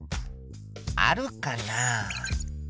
あるかな？